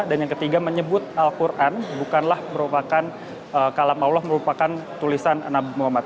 dan yang ketiga menyebut al quran bukanlah merupakan kalam allah merupakan tulisan anab muhammad